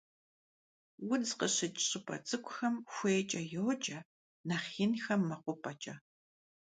Удз къыщыкӀ щӀыпӀэ цӀыкӀухэм хуейкӀэ йоджэ, нэхъ инхэм - мэкъупӀэкӀэ.